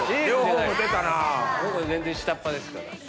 僕は全然下っ端ですから。